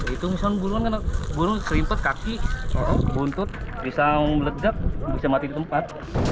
itu misalnya burung serimpet kaki buntut bisa melejap bisa mati di tempat